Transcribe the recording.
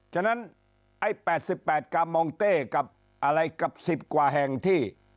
ฉะนั้นไอ้๘๘กามองเต้กับอะไรกับ๑๐กว่าแห่งที่